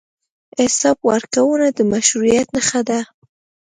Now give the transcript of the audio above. حساب ورکونه د مشروعیت نښه ده.